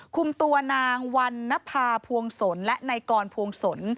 คุมตัวนางวันนภาพวงศลและนายกรพวงศล